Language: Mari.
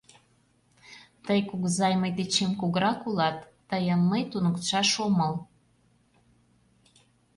— Тый, кугызай, мый дечем кугурак улат, тыйым мый туныктышаш омыл.